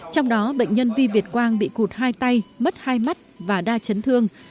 trong đó bệnh nhân vi việt quang bị cụt hai tay mất hai mắt và đa chấn thương